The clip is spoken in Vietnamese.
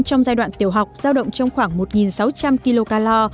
trong giai đoạn tiểu học dao động trong khoảng một sáu trăm linh kcal